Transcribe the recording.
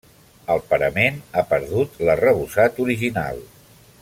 El parament ha perdut l'arrebossat original.